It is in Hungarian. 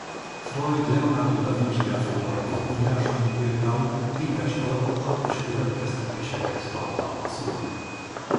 Freud Leonardo da Vincivel foglalkozó írásai például téves adatokat és következtetéseket tartalmaznak.